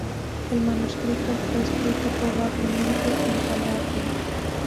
El manuscrito fue escrito probablemente en Calabria.